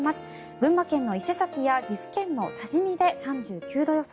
群馬県の伊勢崎や岐阜県の多治見で３９度予想。